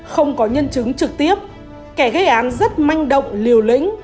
không có nhân chứng trực tiếp kẻ gây án rất manh động liều lĩnh